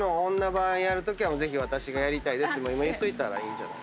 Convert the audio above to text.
ぜひ私がやりたいですって今言っといたらいいんじゃない？